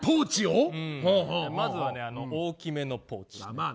まずは大きめのポーチ。